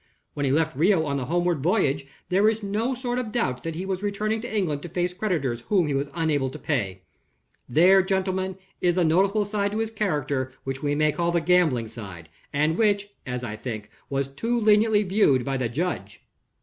When he left Rio on the homeward voyage, there is no sort of doubt that he was returning to England to face creditors whom he was unable to pay. There, gentlemen, is a noticeable side to his character which we may call the gambling side, and which (as I think) was too leniently viewed by the judge."